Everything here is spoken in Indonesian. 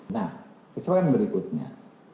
nah kesempatan berikutnya